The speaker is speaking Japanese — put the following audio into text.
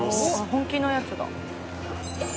「本気のやつだ」